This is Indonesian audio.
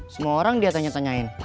semua orang dia tanya tanyain